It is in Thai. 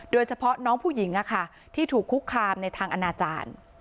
โดยเฉพาะน้องผู้หญิงที่ถูกคุกคามในทางอนาจารย์